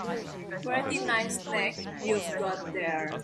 Pretty nice neck you've got there.